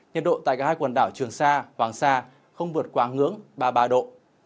nhiệt độ tại cả hai quần đảo trường sa hoàng sa không vượt quá ngưỡng ba mươi ba độ